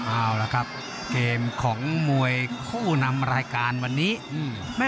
เอาละครับเกมของมวยคู่นำรายการวันนี้อืม